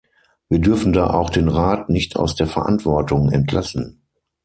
Wir dürfen da auch den Rat nicht aus der Verantwortung entlassen.